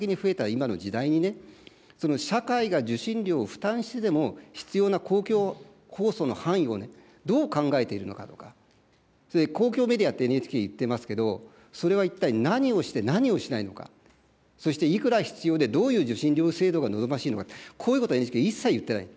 今の時代にね、社会が受信料を負担してでも必要な公共放送の範囲をどう考えているのかとか、公共メディアってＮＨＫ言ってますけど、それは一体何をして、何をしないのか、そしていくら必要で、どういう受信料制度が望ましいのか、こういうことはＮＨＫ、一切言ってない。